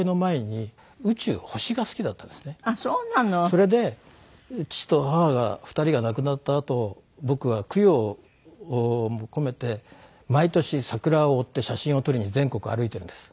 それで父と母が２人が亡くなったあと僕は供養を込めて毎年桜を追って写真を撮りに全国歩いているんです。